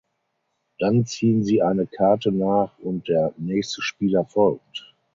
Dann ziehen sie eine Karte nach und der nächste Spieler folgt.